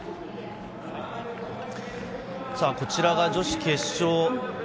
こちらが女子決勝。